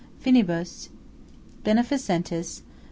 FINIBUS . BENEFICENTISS